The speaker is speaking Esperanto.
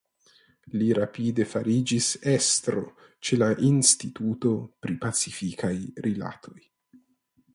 Li rapide fariĝis estro ĉe la Instituto pri Pacifikaj Rilatoj.